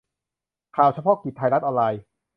ข่าวเฉพาะกิจ ไทยรัฐออนไลน์